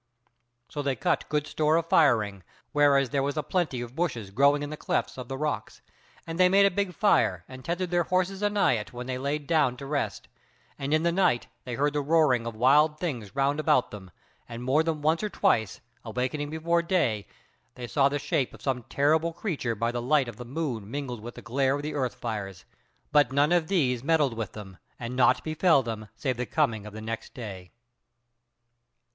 So they cut good store of firing, whereas there was a plenty of bushes growing in the clefts of the rocks, and they made a big fire and tethered their horses anigh it when they lay down to rest; and in the night they heard the roaring of wild things round about them, and more than once or twice, awakening before day, they saw the shape of some terrible creature by the light of the moon mingled with the glare of the earth fires, but none of these meddled with them, and naught befell them save the coming of the new day.